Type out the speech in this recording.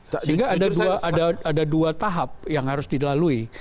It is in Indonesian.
sehingga ada dua tahap yang harus dilalui